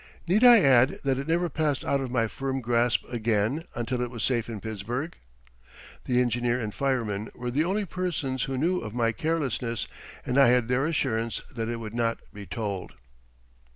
Need I add that it never passed out of my firm grasp again until it was safe in Pittsburgh? The engineer and fireman were the only persons who knew of my carelessness, and I had their assurance that it would not be told.